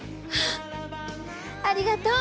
ありがとう！